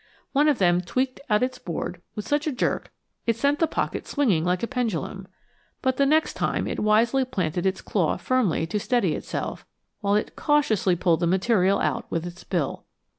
One of them tweaked out its board with such a jerk it sent the pocket swinging like a pendulum. But the next time it wisely planted its claw firmly to steady itself, while it cautiously pulled the material out with its bill.